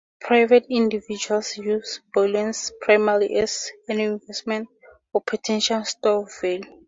Private individuals use bullion primarily as an investment or potential store of value.